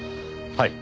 はい。